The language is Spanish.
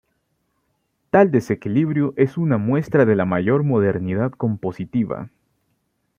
Tal desequilibrio es una muestra de la mayor modernidad compositiva.